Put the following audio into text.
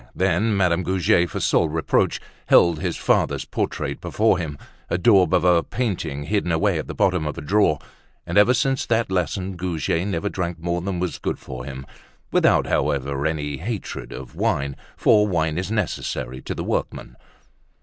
Then Madame Goujet, for sole reproach, held his father's portrait before him, a daub of a painting hidden away at the bottom of a drawer; and, ever since that lesson, Goujet never drank more than was good for him, without however, any hatred of wine, for wine is necessary to the workman.